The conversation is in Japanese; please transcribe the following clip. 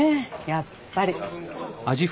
やっぱり。